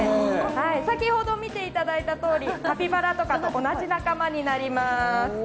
先ほど見ていただいたとおりカピバラとかと同じ仲間になります。